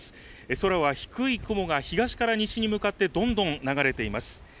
空は低い雲が東から西に向かってどんどん流れています。